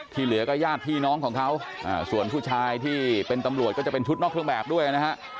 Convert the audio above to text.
เหลือก็ญาติพี่น้องของเขาส่วนผู้ชายที่เป็นตำรวจก็จะเป็นชุดนอกเครื่องแบบด้วยนะฮะ